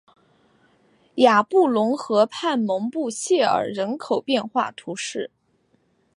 雅布龙河畔蒙布谢尔人口变化图示